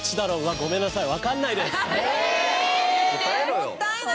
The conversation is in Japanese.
もったいない！